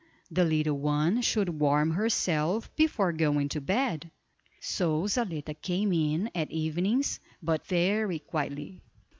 "The little one should warm herself before going to bed." So Zaletta came in at evenings, but very quietly.